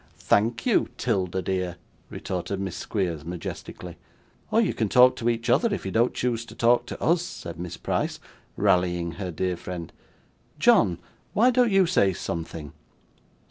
'Thank you, 'Tilda, dear,' retorted Miss Squeers, majestically. 'Or you can talk to each other, if you don't choose to talk to us,' said Miss Price, rallying her dear friend. 'John, why don't you say something?